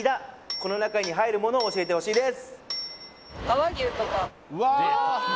この中に入るものを教えてほしいです